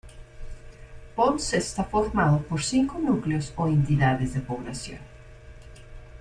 Ponts está formado por cinco núcleos o entidades de población.